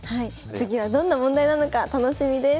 次はどんな問題なのか楽しみです。